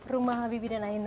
rumah habibie dan ajin